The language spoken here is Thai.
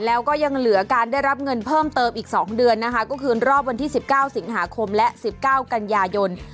แล้วก็ยังเหลือการได้รับเงินเพิ่มเติมอีก๒เดือนนะคะก็คือรอบวันที่๑๙สิงหาคมและ๑๙กันยายน